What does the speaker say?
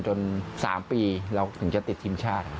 จน๓ปีเราถึงจะติดทีมชาติ